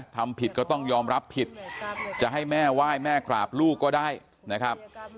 ทำผิดก็ต้องยอมรับผิดจะให้แม่ไหว้แม่กราบลูกก็ได้นะครับ